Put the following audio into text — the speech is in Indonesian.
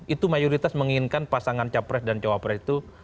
itu mayoritas menginginkan pasangan capres dan cawapres itu